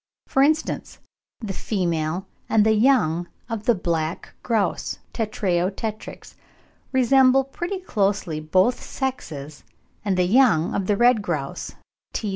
For instance, the female and the young of the black grouse (Tetrao tetrix) resemble pretty closely both sexes and the young of the red grouse (T.